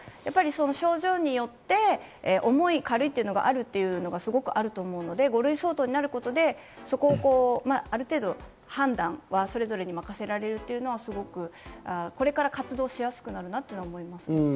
症状によって重い、軽いというのがあるというのがすごくあると思うので、５類相当になることで、ある程度判断はそれぞれに任せられるというのはこれから活動しやすくなるなと思います。